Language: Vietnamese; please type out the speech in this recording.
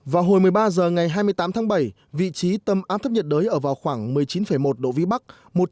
vào hồi một mươi ba h ngày hai mươi tám tháng bảy vị trí tâm áp thấp nhiệt đới ở vào khoảng một mươi chín một độ vĩ bắc